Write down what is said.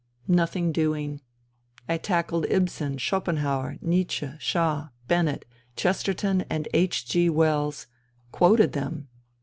Nothing doing. I tackled Ibsen, Schopenhauer, Nietzsche, Shaw, Bennett, Chester ton and H. G. Wells ; quoted them.